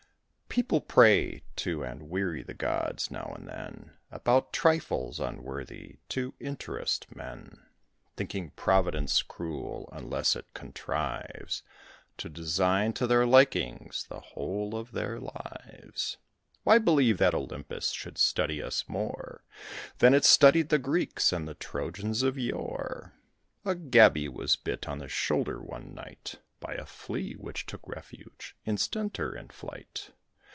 People pray to and weary the gods, now and then, About trifles unworthy to interest men; Thinking Providence cruel unless it contrives To design to their likings the whole of their lives. Why believe that Olympus should study us more Than it studied the Greeks and the Trojans of yore? A gaby was bit on the shoulder, one night, By a Flea, which took refuge instanter in flight.